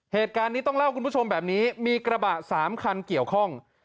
เหตุการณ์นี้ต้องเล่าคุณผู้ชมแบบนี้มีกระบะ๓คันเกี่ยวข้อง